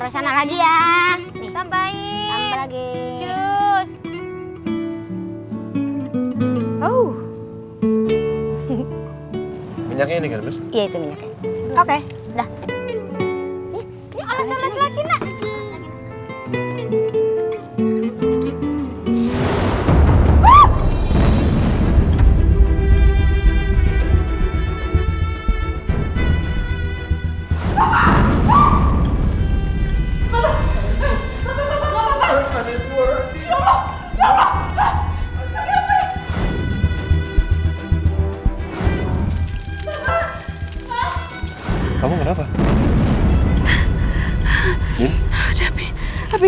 sikap kamu yang seperti ini